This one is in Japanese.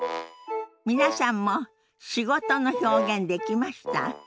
皆さんも「仕事」の表現できました？